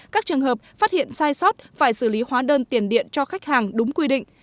các trường hợp phát hiện sai sót phải xử lý hóa đơn tiền điện cho khách hàng đúng quy định